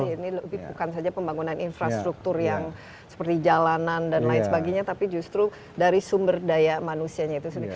ini bukan saja pembangunan infrastruktur yang seperti jalanan dan lain sebagainya tapi justru dari sumber daya manusianya itu sendiri